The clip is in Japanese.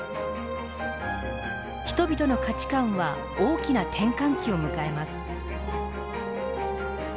人々の価値観は大きな転換期を迎えます。